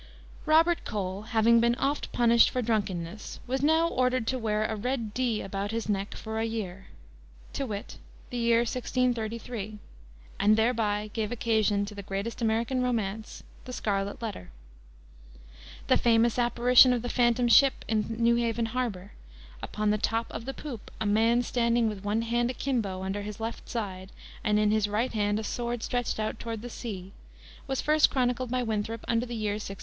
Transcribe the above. "Robert Cole, having been oft punished for drunkenness, was now ordered to wear a red D about his neck for a year" to wit, the year 1633, and thereby gave occasion to the greatest American romance, The Scarlet Letter. The famous apparition of the phantom ship in New Haven harbor, "upon the top of the poop a man standing with one hand akimbo under his left side, and in his right hand a sword stretched out toward the sea," was first chronicled by Winthrop under the year 1648.